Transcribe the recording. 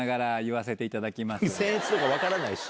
僭越とか分からないし。